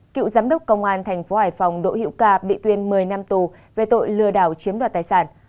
cựu giám đốc công an tp hải phòng đỗ hiệu ca bị tuyên một mươi năm tù về tội lừa đảo chiếm đoạt tài sản